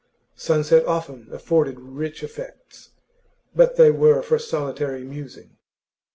Sunset often afforded rich effects, but they were for solitary musing.